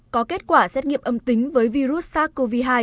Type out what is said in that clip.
có kết quả xét nghiệm âm tính với virus sars cov hai